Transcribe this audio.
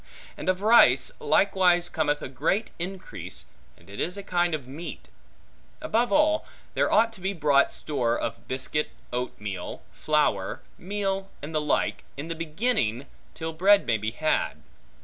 And of rice, likewise cometh a great increase, and it is a kind of meat. Above all, there ought to be brought store of biscuit, oat meal, flour, meal, and the like, in the beginning, till bread may be had.